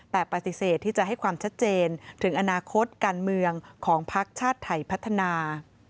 แต่ปฏิเสธที่จะให้ความชัดเจนถึงอนาคตการเมืองของภักดิ์ชาติไทยพัฒนา